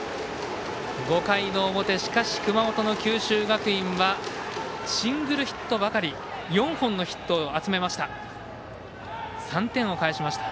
５回の表しかし熊本の九州学院はシングルヒットばかり４本のヒットを集めました。